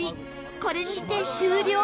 これにて終了。